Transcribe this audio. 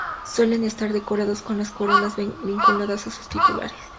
Suelen estar decorados con las coronas vinculadas a sus titulares.